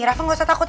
rafa gak usah takut